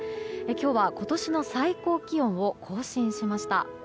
今日は今年の最高気温を更新しました。